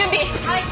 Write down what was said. はい。